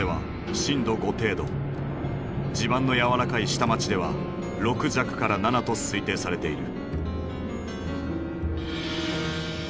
地盤の軟らかい下町では６弱から７と推定されている。